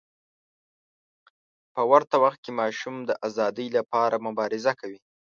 په ورته وخت کې ماشوم د ازادۍ لپاره مبارزه کوي.